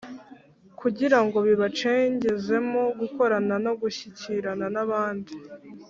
kugira ngo bibacengezemo gukorana no gushyikirana n’abandi.